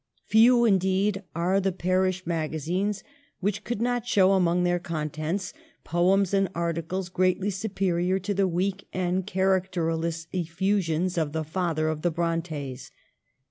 Few, indeed, are the Par ish Magazines which could not show among their contents poems and articles greatly supe rior to the weak and characterless effusions of the father of the Brontes.